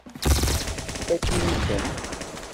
Tfakk-iyi-tent.